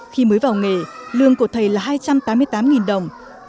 khi mới vào nghề lương của thầy là hai trăm tám mươi tám đồng